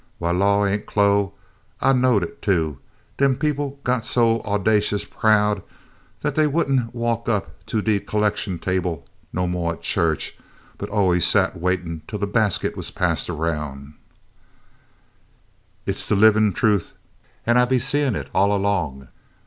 "W'y, la, Aunt Chloe I knowed it too. Dem people got so owdacious proud dat dey would n't walk up to de collection table no mo' at chu'ch, but allus set an' waited twell de basket was passed erroun'." "Hit 's de livin' trufe, an' I 's been seein' it all 'long.